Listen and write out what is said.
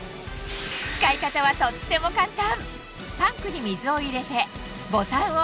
使い方はとっても簡単！